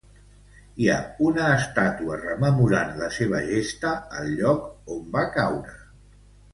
Hi ha una estàtua rememorant la seua gesta al lloc on va caure.